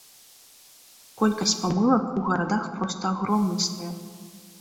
Колькасць памылак у гарадах проста агромністая.